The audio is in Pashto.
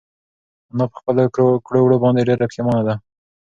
انا په خپلو کړو وړو باندې ډېره پښېمانه ده.